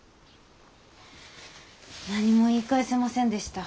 何も言い返せませんでした。